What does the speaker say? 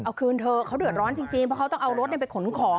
เอาคืนเถอะเขาเดือดร้อนจริงเพราะเขาต้องเอารถไปขนของ